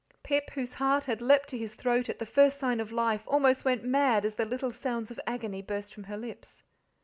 Pip, whose heart had leapt to his throat at the first sign of life, almost went mad as the little sounds of agony burst from her lips.